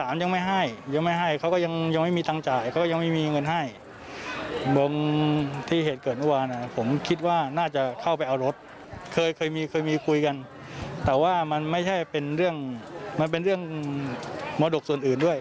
มอดกส่วนอื่นด้วย